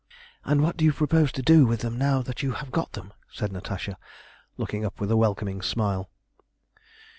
"And what do you propose to do with them now you have got them?" said Natasha, looking up with a welcoming smile.